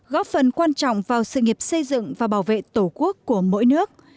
góp phần quan trọng vào sự nghiệp xây dựng và bảo vệ tổ quốc của mỗi nước